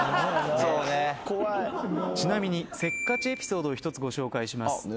ちなみにせっかちエピソードを１つご紹介します。